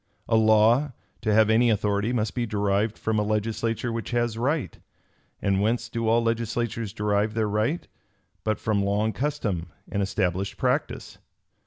A law, to have any authority must be derived from a legislature which has right. And whence do all legislatures derive their right, but from long custom and established practice?